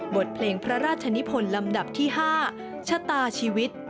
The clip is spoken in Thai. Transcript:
บทเพลงพระราชนิพลลำดับที่๕ชะตาชีวิต